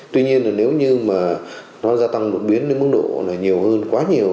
tuy nhiên là nếu như mà nó gia tăng đột biến đến mức độ là nhiều hơn quá nhiều